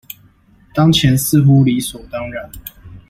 當前似乎理所當然